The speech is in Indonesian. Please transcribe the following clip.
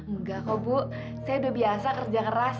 enggak kok bu saya udah biasa kerja keras